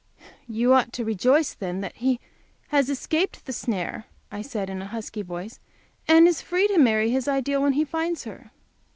"You ought to rejoice then that he has escaped the snare," I said, in a husky voice, "and is free to marry his ideal, when he finds her."